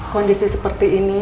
kondisi seperti ini